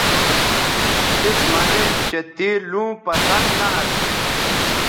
تِس مہ نن چہء تے لوں پسند نہ اسو